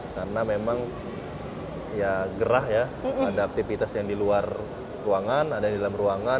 karena memang ya gerah ya ada aktivitas yang di luar ruangan ada yang di dalam ruangan